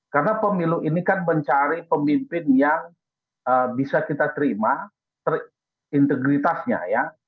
karena pemilu ini kan mencari pemimpin yang bisa kita terima integritasnya ya